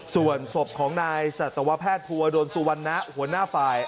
ส่วนศพของนายสัตวแพทย์ภูวดลสุวรรณะหัวหน้าฝ่าย